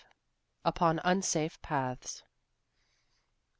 UPON UNSAFE PATHS.